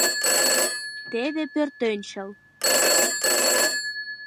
Теве пӧртӧнчыл...